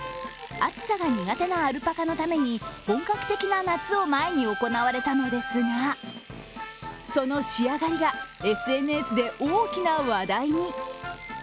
暑さが苦手なアルパカのために本格的な夏を前に行われたのですがその仕上がりが、ＳＮＳで大きな話題に。